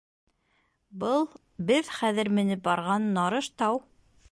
Был, беҙ хәҙер менеп барған, Нарыштау.